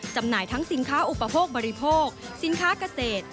จำหน่ายทั้งสินค้าอุปโภคบริโภคสินค้าเกษตร